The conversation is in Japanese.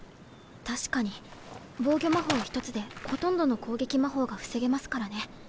確かに防御魔法ひとつでほとんどの攻撃魔法が防げますからね。